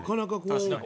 確かに。